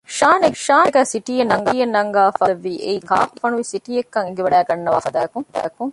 ޝާން އޭގެތެރޭން ސިޓީއެއް ނަންގަވާފައި ކަނޑުއްވާލެއްވީ އެއީ ކާކު ފޮނުވި ސިޓީއެއްކަން އެނގިވަޑައިގަންނަވާ ފަދައަކުން